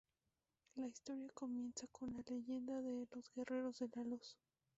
La historia comienza con La Leyenda de los Guerreros de la Luz.